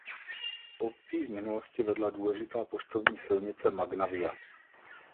Obcí v minulosti vedla důležitá poštovní silnice Magna via.